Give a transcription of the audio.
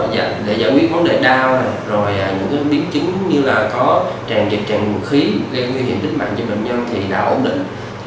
để giải quyết vấn đề đau những biến chứng như là có tràn trịt tràn nguồn khí gây nguy hiểm tích mạng cho bệnh nhân thì đã ổn định